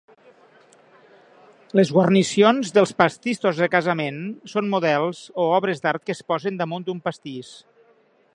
Les guarnicions dels pastissos de casament són models o obres d'art que es posen damunt d'un pastís.